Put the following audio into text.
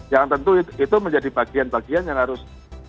yang tentu itu menjadi bagian bagian yang harus